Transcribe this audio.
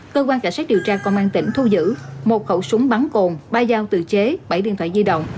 cơ quan cảnh sát điều tra công an tỉnh thu giữ một khẩu súng bắn cồn ba dao tự chế bảy điện thoại di động